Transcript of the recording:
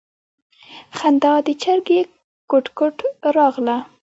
خندا د چرگې کوټ کوټ راغله.